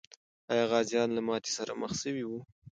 آیا غازیان له ماتي سره مخامخ سوي و؟